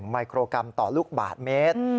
ไมโครกรัมต่อลูกบาทเมตร